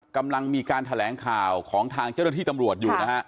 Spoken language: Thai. กำลังมีการแถลงข่าวของทางเจ้าหน้าที่ตำรวจอยู่นะฮะ